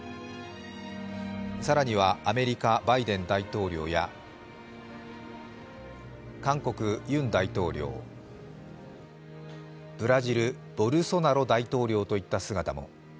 更にはアメリカ・バイデン大統領や韓国・ユン大統領、ブラジル・ボルソナロ大統領といった姿も。